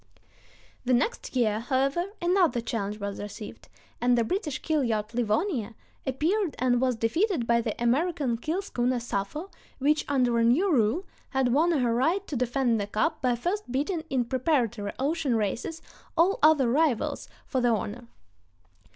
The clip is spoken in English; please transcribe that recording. The next year, however, another challenge was received, and the British keel yacht Livonia appeared and was defeated by the American keel schooner Sappho, which, under a new rule, had won her right to defend the cup by first beating in preparatory ocean races all other rivals for the honor.